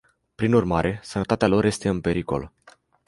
Prin urmare, sănătatea lor este în pericol.